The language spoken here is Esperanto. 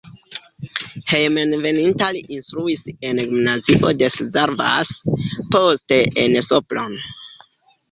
Hejmenveninta li instruis en gimnazio de Szarvas, poste en Sopron.